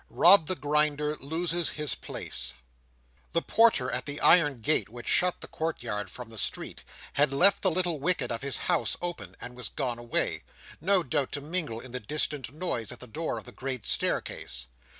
Rob the Grinder loses his Place The Porter at the iron gate which shut the court yard from the street, had left the little wicket of his house open, and was gone away; no doubt to mingle in the distant noise at the door of the great staircase.